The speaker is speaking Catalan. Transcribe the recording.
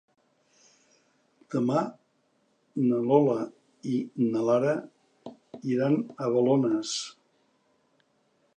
Demà na Lola i na Lara iran a Balones.